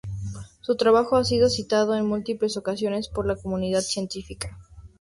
Su trabajo ha sido citado en múltiples ocasiones por la comunidad científica.